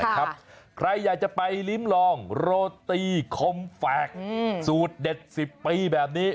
ใครอยากจะไปริมหลองโรตี้คมแฝกสูดเดชสิบปีแบบนี้